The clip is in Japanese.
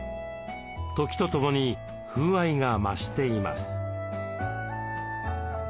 時とともに風合いが増しています。